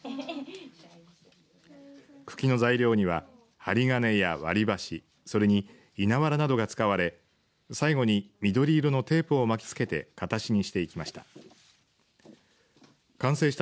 茎の材料には針金や割り箸それにいなわらなどが使われ最後に緑色のテープを巻きつけて形にしていきました。